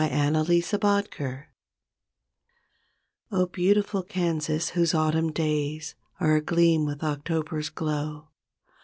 17 KANSAS DREAMS Oh, beautiful Kansas, whose autumn days Are agieam with October's glow.